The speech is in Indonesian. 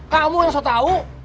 kamu yang sok tau